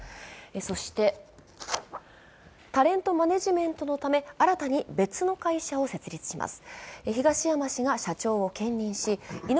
そしてタレントマネジメントのため新たに別の会社を設立します。